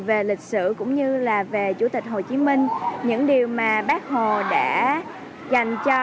về lịch sử cũng như là về chủ tịch hồ chí minh những điều mà bác hồ đã dành cho